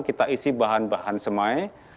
kita isi bahan bahan semai